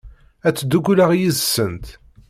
Ad ttdukkuleɣ yid-sent.